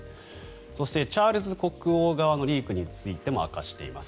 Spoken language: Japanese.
そして、チャールズ国王側のリークについても明かしています。